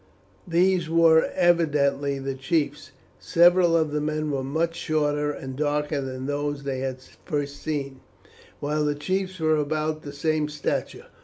These were evidently the chiefs. Several of the men were much shorter and darker than those they had first seen, while the chiefs were about the same stature.